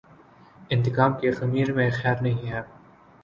انتقام کے خمیر میںخیر نہیں ہے۔